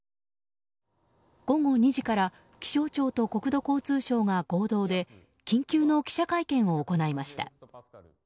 午後２時から気象庁と国土交通省が合同で緊急の記者会見を行いました。